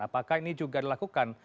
apakah ini juga dilakukan